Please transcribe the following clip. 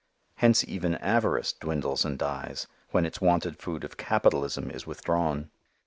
Hence even avarice dwindles and dies, when its wonted food of 'capitalism' is withdrawn."